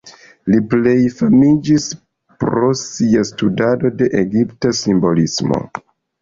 Li plej famiĝis pro sia studado de egipta simbolismo.